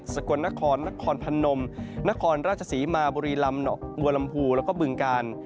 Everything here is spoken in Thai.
กลนครนครพนมนครราชศรีมาบุรีลำบัวลำพูแล้วก็บึงกาล